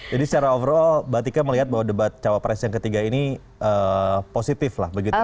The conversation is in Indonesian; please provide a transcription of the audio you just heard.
jadi secara overall mbak tika melihat bahwa debat cawa press yang ketiga ini positif lah begitu ya